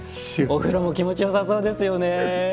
お風呂も気持ちよさそうですよね。